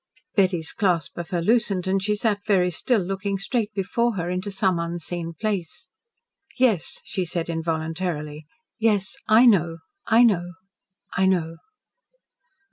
Betty's clasp of her loosened and she sat very still, looking straight before her into some unseen place. "Yes," she said involuntarily. "Yes, I know I know I know."